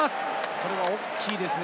これは大きいですね。